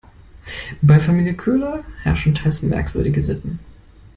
Bei Familie Köhler herrschen teils merkwürdige Sitten.